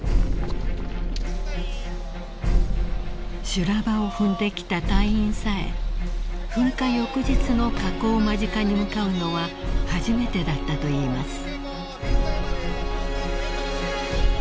［修羅場を踏んできた隊員さえ噴火翌日の火口間近に向かうのは初めてだったといいます］